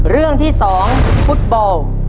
เรื่องที่๒ฟุตบอล